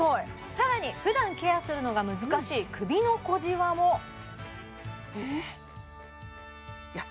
さらに普段ケアするのが難しい首の小じわもいや